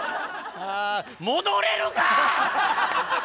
戻れるか！